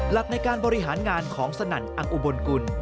หลักในการบริหารงานของสนั่นอังอุบลกุล